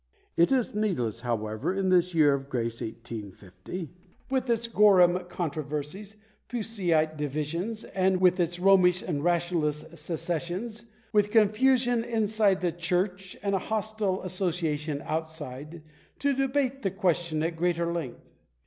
§5. It is needless, however, in this year of grace 1860, with its Grorham controversies and Puseyite divisions, with its Romish and Rationalist secessions, with confusion inside the churchy and a hostile association outside — to debate the question at greater length.